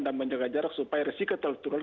dan menjaga jarak supaya risiko terlalu turun